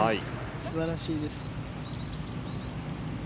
素晴らしいです。